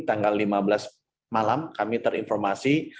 tanggal lima belas malam kami terinformasi